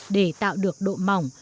để tạo được độ mỏng